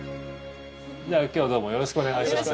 今日はどうもよろしくお願いします。